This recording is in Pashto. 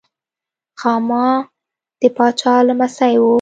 خاما د پاچا لمسی و.